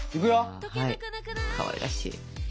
はいかわいらしい。